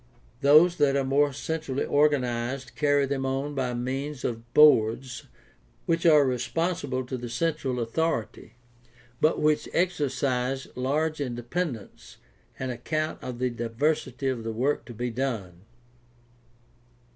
Those that are more centrally organized carry them on by means of boards which are respon PRACTICAL THEOLOGY ^ 631 sible to the central authority, but which exercise large independence an account of the diversity of the work to be done.